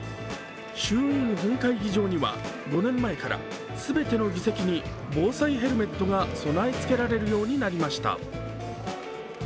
衆院本会議場には５年前から全ての議席に防災ヘルメットが備え付けられるようになりました。